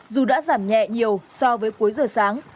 dù đã giảm nhẹ nhiều so với cuối giờ sáng